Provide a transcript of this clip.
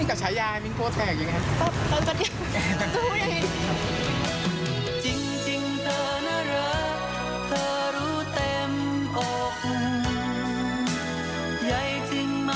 มิ้งโก้แชยามิ้งโก้แชกยังไงครับ